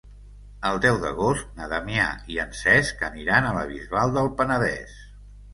El deu d'agost na Damià i en Cesc aniran a la Bisbal del Penedès.